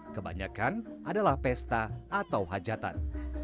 kebanyakan adalah pesta atau hajatan